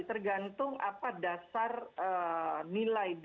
tergantung apa dasar nilai